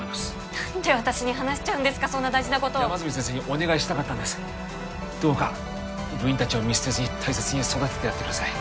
何で私に話しちゃうんですかそんな大事なことを山住先生にお願いしたかったんですどうか部員たちを見捨てずに大切に育ててやってください